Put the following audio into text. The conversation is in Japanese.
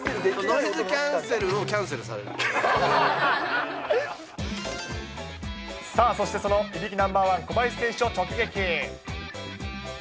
ノイズキャンセルをキャンセさあそしてこのいびきＮｏ．１、小林選手を直撃。